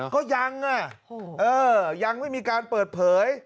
ก็ยังยังไม่มีการเปิดเผย